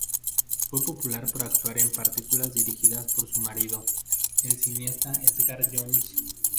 Fue popular por actuar en películas dirigidas por su marido, el cineasta Edgar Jones.